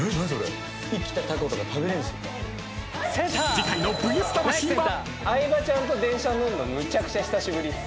［次回の『ＶＳ魂』は］